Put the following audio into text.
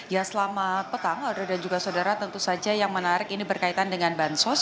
ya selamat petang adro dan juga saudara tentu saja yang menarik ini berkaitan dengan bansos